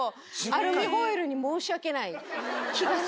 アルミホイルに申し訳ない？